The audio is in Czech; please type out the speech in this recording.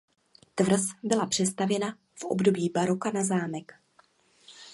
Tvrz byla přestavěna v období baroka na zámek.